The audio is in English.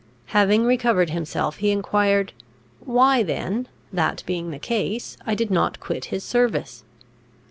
Having recovered himself, he enquired, why then, that being the case, I did not quit his service?